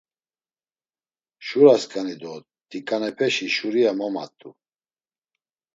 Şurasǩani do t̆iǩanepeşi şuria momat̆u.